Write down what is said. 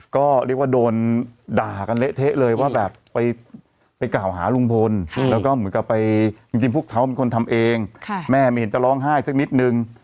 ก็เรียกว่าโดนด่ากันเละเทะเลยว่าแบบไปกล่าวหาลุงพลแล้วก็เหมือนกับไปจริงพวกเขาเป็นคนทำเองแม่ไม่เห็นจะร้องไห้สักนิดนึง